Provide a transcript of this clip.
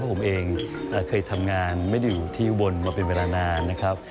ผมเองเคยทำงานไม่ได้อยู่ที่อุบลมาเป็นเวลานานนะครับ